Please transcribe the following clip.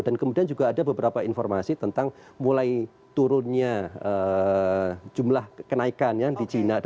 dan kemudian juga ada beberapa informasi tentang mulai turunnya jumlah kenaikan ya di china